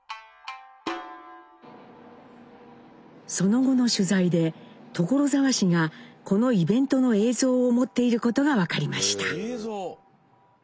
その後の取材で所沢市がこのイベントの映像を持っていることが分かりました。